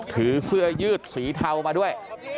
ถือเสื้อยืดสีเทามาด้วย